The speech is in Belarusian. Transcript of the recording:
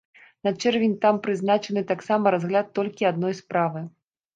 На чэрвень там прызначаны таксама разгляд толькі адной справы.